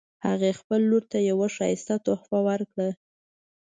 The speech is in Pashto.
هغې خپل لور ته یوه ښایسته تحفه ورکړه